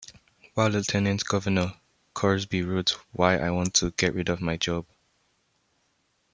While Lieutenant Governor, Crosby wrote Why I Want to Get Rid of My Job.